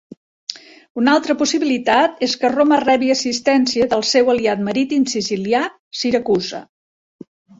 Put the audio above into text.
Una altra possibilitat és que Roma rebi assistència del seu aliat marítim sicilià, Siracusa.